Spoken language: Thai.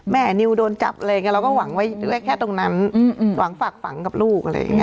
แม่นิวโดนจับเราก็หวังไว้แค่ตรงนั้นหวังฝากฝังกับลูก